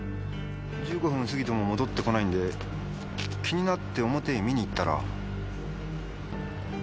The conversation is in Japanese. １５分過ぎても戻ってこないんで気になって表へ見に行ったら。